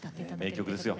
名曲ですよ。